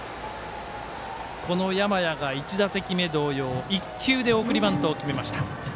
この山家が１打席目同様１球で送りバントを決めました。